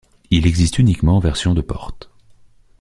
Il existe uniquement en version deux portes.